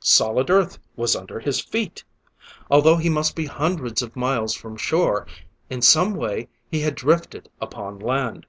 Solid earth was under his feet! Although he must be hundreds of miles from shore, in some way he had drifted upon land.